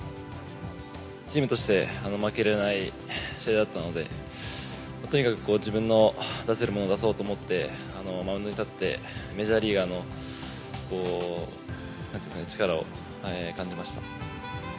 チームとして負けれない試合だったので、とにかくこう、自分の出せるものを出そうと思って、マウンドに立って、メジャーリーガーのなんていうんですかね、力を感じました。